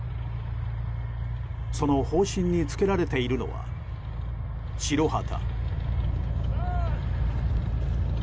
その砲身につけられているのは白旗。